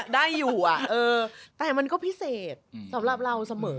ได้อยู่แต่มันก็พิเศษสำหรับเราเสมอ